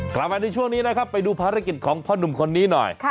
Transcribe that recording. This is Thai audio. กลับมาในช่วงนี้นะครับไปดูภารกิจของพ่อหนุ่มคนนี้หน่อย